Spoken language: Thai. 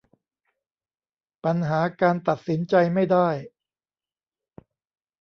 ปัญหาการตัดสินใจไม่ได้